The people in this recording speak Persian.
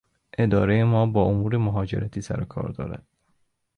ادارهی ما با امور مهاجرتی سر و کار دارد.